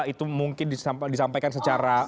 itu mungkin disampaikan secara